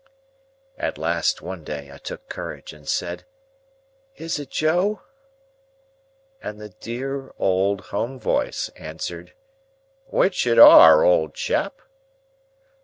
At last, one day, I took courage, and said, "Is it Joe?" And the dear old home voice answered, "Which it air, old chap."